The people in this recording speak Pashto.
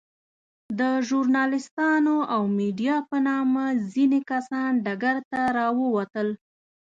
د ژورناليستانو او ميډيا په نامه ځينې کسان ډګر ته راووتل.